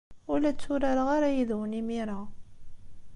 Ur la tturareɣ ara yid-wen imir-a.